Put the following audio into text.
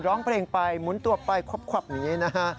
ร้องเพลงไปหมุนตัวไปควับอย่างนี้นะฮะ